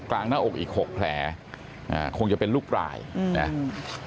หน้าอกอีกหกแผลอ่าคงจะเป็นลูกปลายอืมนะ